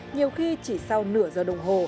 nhiều khi chỉ sau nửa giờ đồng hồ